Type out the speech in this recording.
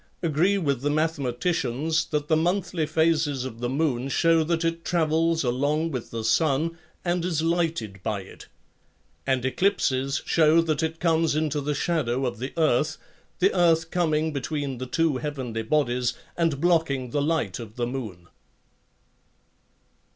agree with the mathematicians that the monthly phases of the moon show that it travels along with the sun and is lighted by it, and eclipses show that it comes into the shadow of the earth, the earth coming between the two heavenly bodies and blocking the light of the moon.